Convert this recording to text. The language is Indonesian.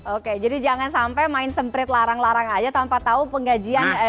oke jadi jangan sampai main semprit larang larang aja tanpa tahu penggajian